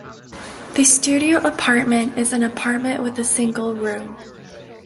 The studio apartment is an apartment with a single room.